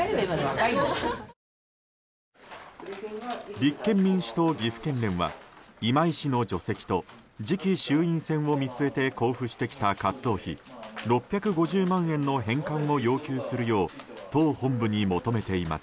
立憲民主党岐阜県連は今井氏の除籍と次期衆院選を見据えて交付してきた活動費６５０万円の返還を要求するよう党本部に求めています。